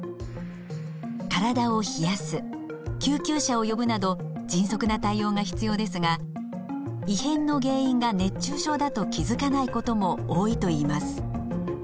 体を冷やす救急車を呼ぶなど迅速な対応が必要ですが異変の原因が熱中症だと気づかないことも多いといいます。